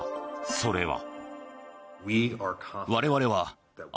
それは。